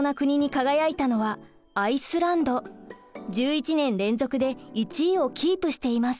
１１年連続で１位をキープしています。